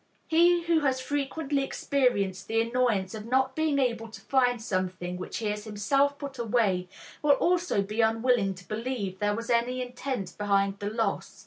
He who has frequently experienced the annoyance of not being able to find something which he has himself put away, will also be unwilling to believe there was any intent behind the loss.